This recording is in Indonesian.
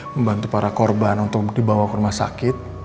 membantu para korban untuk dibawa ke rumah sakit